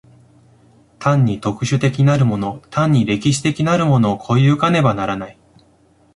単に特殊的なるもの単に歴史的なるものを越え行かねばならない。